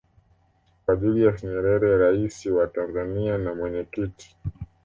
kwa Julius Nyerere Rais wa Tanzania na mwenyekiti